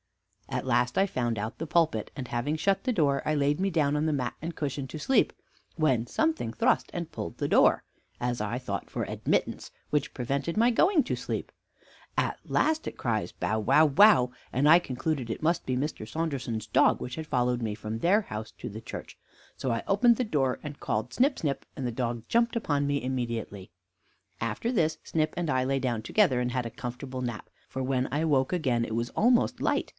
"At last I found out the pulpit, and having shut the door, I laid me down on the mat and cushion to sleep; when something thrust and pulled the door, as I thought, for admittance, which prevented my going to sleep. At last it cries, 'Bow, wow, wow;' and I concluded it must be Mr. Saunderson's dog, which had followed me from their house to church; so I opened the door, and called Snip, Snip, and the dog jumped upon me immediately. After this, Snip and I lay down together, and had a comfortable nap; for when I awoke again it was almost light.